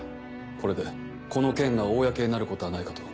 これでこの件が公になることはないかと。